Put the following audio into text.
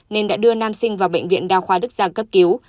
nên đã đưa nam sinh vào bệnh viện đa khoa đức giang cấp cứu